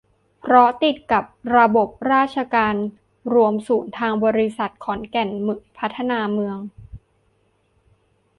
เพราะติดกับระบบราชการรวมศูนย์ ทางบริษัทขอนแก่นพัฒนาเมือง